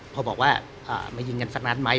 พอบอกว่ามายิงกันสักนัดไหม